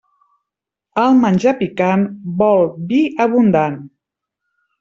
El menjar picant vol vi abundant.